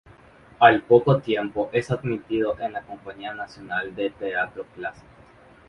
Al poco tiempo es admitido en la Compañía Nacional de Teatro Clásico.